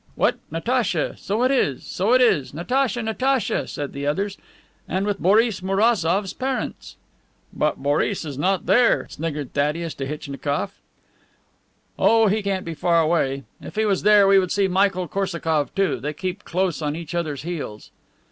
"What, Natacha! So it is. So it is. Natacha! Natacha!" said the others. "And with Boris Mourazoff's parents." "But Boris is not there," sniggered Thaddeus Tehitchnikoff. "Oh, he can't be far away. If he was there we would see Michael Korsakoff too. They keep close on each other's heels."